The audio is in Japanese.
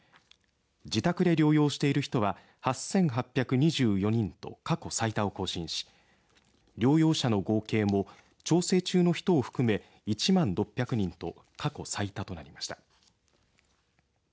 自宅で療養している人は８８２４人と過去最多を更新し療養者の合計も調整中の人を含め１万６００人と過去最多となりました。